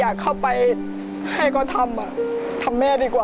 รายการต่อไปนี้เป็นรายการทั่วไปสามารถรับชมได้ทุกวัย